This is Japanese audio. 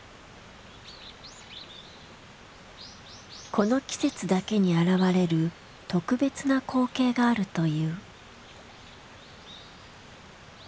この季節だけに現れる特別な光景があるという。